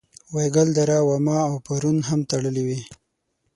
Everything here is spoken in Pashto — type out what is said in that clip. وایګل دره واما او پارون هم تړلې وې.